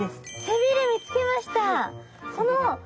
背びれ見つけました。